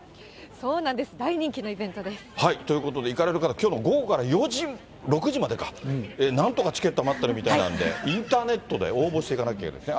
そうなんです、大人気のイベということで、行かれる方、きょうの午後から６時までか、なんとかチケット余ってるみたいなんで、インターネットで応募して行かないといけないんですね。